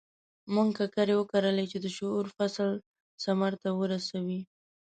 موږ ککرې وکرلې چې د شعور فصل ثمر ته ورسوي.